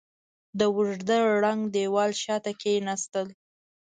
د اوږده ړنګ دېوال شاته کېناستل.